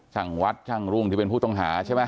ช่างวัดช่างรุ่งที่เป็นผู้ต้องหาใช่ไหม